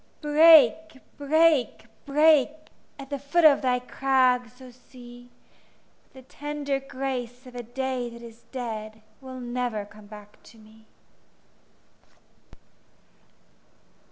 Break, break, break, At the foot of thy crags, O Sea! But the tender grace of a day that is dead Will never come back to me.